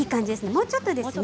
もうちょっとですね。